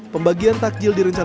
pembagian takjil direncana